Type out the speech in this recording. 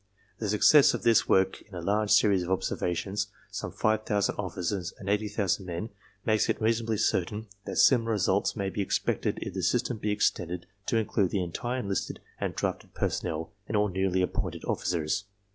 "The success of this work in a large series of observations, some five thousand officers and eighty thousand men, makes it reasonably certain that similar results may be expected if the system be extended to include the entire enlisted and drafted personnel and all newly appointed officers.